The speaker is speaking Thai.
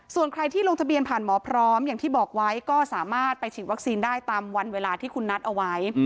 ส่วนใครที่ลงทะเบียนผ่านหมอพร้อมอย่างที่บอกไว้ก็สามารถไปฉีดวัคซีนได้ตามวันเวลาที่คุณนัดเอาไว้